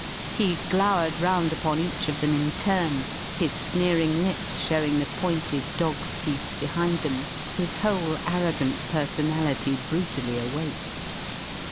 He glowered round upon each of them in turn, his sneering lips showing the pointed dogs' teeth behind them, his whole arrogant personality brutally awake.